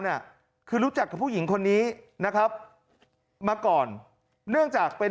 น่ะคือรู้จักกับผู้หญิงคนนี้นะครับมาก่อนเนื่องจากเป็น